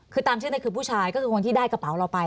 คือตามชื่อในคือผู้ชายก็คือคนที่ได้กระเป๋าเราไป